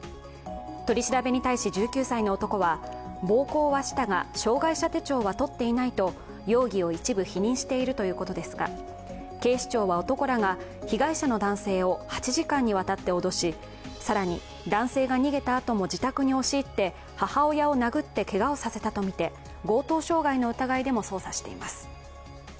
取り調べに対し１９歳の男は、暴行はしたが、障害者手帳は取っていないと容疑を一部否認しているということですが警視庁は男らが被害者の男性を８時間にわたって脅し、更に男性が逃げたあとも自宅に押し入って母親を殴ってけがをさせたとみて強盗傷害の疑いでも捜査しています。